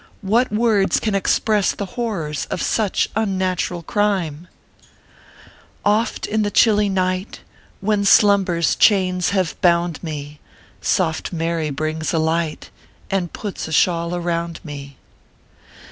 What words can express the horrors of such unnatural crime ?" Oft in the chilly night, "When slumber s chains have bound me, Soft Mary brings a light, And puts a shawl around me."